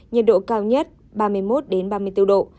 nhiệt độ cao nhất ba mươi một ba mươi bốn độ